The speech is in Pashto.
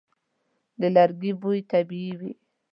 د لرګي بوی طبیعي وي.